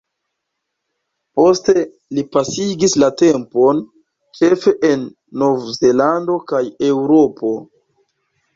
Poste li pasigis la tempon ĉefe en Nov-Zelando kaj Eŭropo.